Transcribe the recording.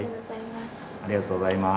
ありがとうございます。